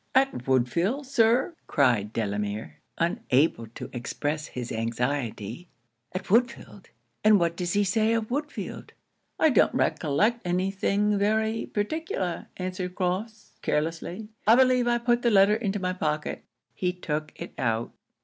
'At Woodfield, Sir?' cried Delamere, unable to express his anxiety 'at Woodfield! And what does he say of Woodfield?' 'I don't recollect any thing very particular,' answered Crofts, carelessly 'I believe I put the letter into my pocket.' He took it out.